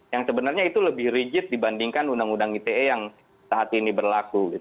yang sebenarnya itu lebih rigid dibandingkan undang undang ite yang saat ini berlaku